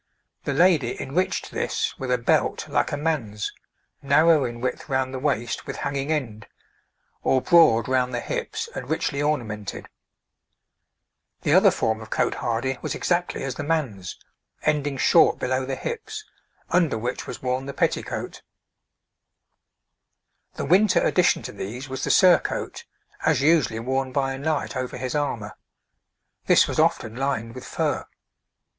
The lady enriched this with a belt like a man's, narrow in width round the waist with hanging end, or broad round the hips and richly ornamented. The other form of cotehardie was exactly as the man's, ending short below the hips, under which was worn the petticoat. [Illustration: {Three types of dress for women}] The winter addition to these was the surcoat (as usually worn by a knight over his armour); this was often lined with fur.